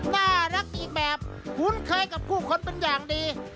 น่ารักอีกแบบคุ้นเคยกับผู้คนเป็นอย่างดี